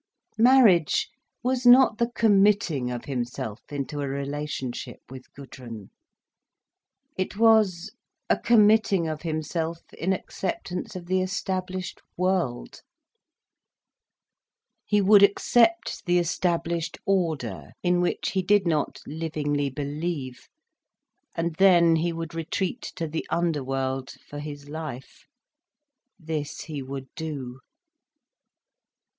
Marriage was not the committing of himself into a relationship with Gudrun. It was a committing of himself in acceptance of the established world, he would accept the established order, in which he did not livingly believe, and then he would retreat to the underworld for his life. This he would do.